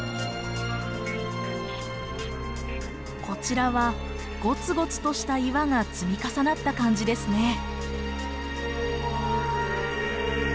こちらはゴツゴツとした岩が積み重なった感じですね。